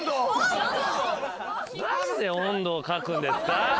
何で温度を書くんですか？